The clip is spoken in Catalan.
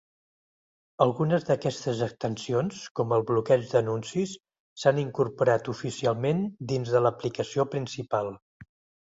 Algunes d'aquestes extensions, com el bloqueig d'anuncis, s'han incorporat oficialment dins de l'aplicació principal.